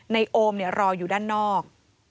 นายโอมเนี่ยรออยู่ด้านนอก